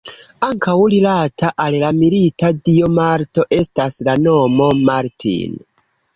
Ankaŭ rilata al la milita dio Marto estas la nomo Martin.